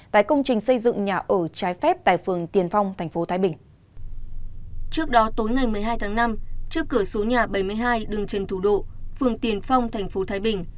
trước đó tối ngày một mươi hai tháng năm trước cửa số nhà bảy mươi hai đường trần thủ độ phường tiền phong tp thái bình